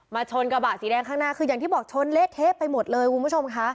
ชนกระบะสีแดงข้างหน้าคืออย่างที่บอกชนเละเทะไปหมดเลยคุณผู้ชมค่ะ